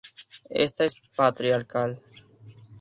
Esta es patriarcal.